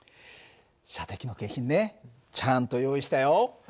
射的の景品ねちゃんと用意したよ。